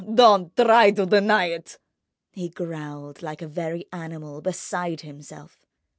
Ah, don't try to deny it!" He growled like a very animal, beside himself.